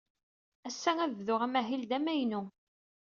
Ass-a, ad bduɣ amahil d amaynu.